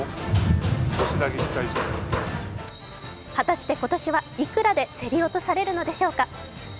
果たして今年はいくらで競り落とされるんでしょうか。